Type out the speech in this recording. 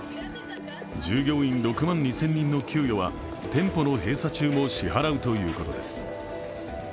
従業員６万２０００人の給与は店舗の閉鎖中も支払うということです。